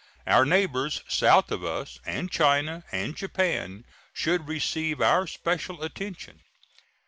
Our neighbors south of us, and China and Japan, should receive our special attention.